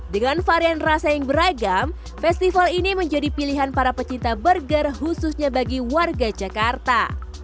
dengan varian rasa yang beragam festival ini menjadi pilihan para pecinta burger khususnya bagi warga jakarta